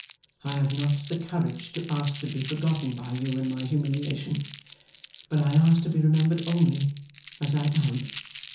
I have not the courage to ask to be forgotten by you in my humiliation; but I ask to be remembered only as I am.